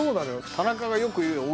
田中がよく言うよああ